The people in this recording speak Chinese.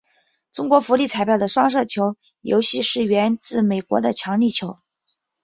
中国福利彩票的双色球游戏就是源自美国的强力球。